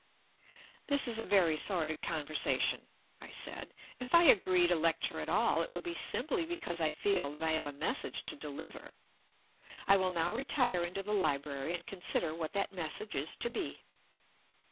"This is a very sordid conversation," I said. "If I agree to lecture at all, it will be simply because I feel that I have a message to deliver ... I will now retire into the library and consider what that message is to be."